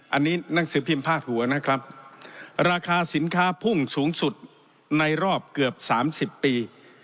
อันนี้หนังสือพิมพ์พาดหัวนะครับราคาสินค้าพุ่งสูงสุดในรอบเกือบ๓๐ปี